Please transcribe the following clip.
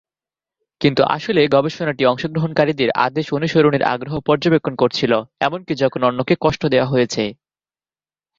কিন্তু আসলে গবেষণাটি অংশগ্রহণকারীদের আদেশ অনুসরণের আগ্রহ পর্যবেক্ষণ করছিল, এমনকি যখন অন্যকে কষ্ট দেওয়া হয়েছে।